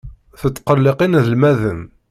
Tettqelliq inelmaden.